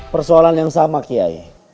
persoalan yang sama kiai